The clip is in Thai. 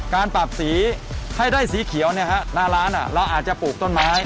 การปรับสีให้ได้สีเขียวหน้าร้านเราอาจจะปลูกต้นไม้